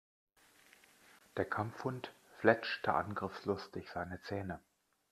Der Kampfhund fletschte angriffslustig seine Zähne.